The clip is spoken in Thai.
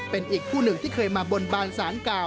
เป็นอีกผู้หนึ่งที่เคยมาบนบานสารเก่า